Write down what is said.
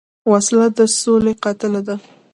وسله د سولې قاتله ده